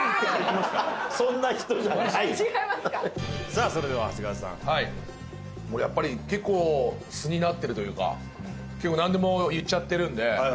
さあそれでは長谷川さん。俺やっぱり結構素になってるというか結構なんでも言っちゃってるんで。